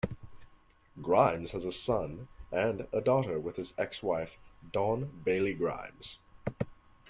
Grimes has a son and a daughter with his ex-wife, Dawn Bailey-Grimes.